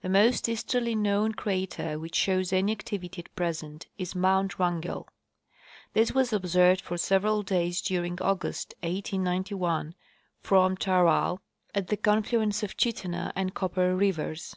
The most easterly known crater which shows any activity at present is mount Wrangell. This was observed for several days during August, 1891, from Taral, at the confluence of Chittenah and Copper rivers.